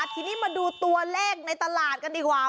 ทีนี้มาดูตัวเลขในตลาดกันดีกว่า